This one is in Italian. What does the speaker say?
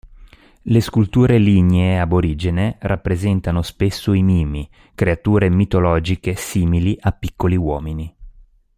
Le sculture lignee aborigene rappresentano spesso i mimi, creature mitologiche simili a piccoli uomini.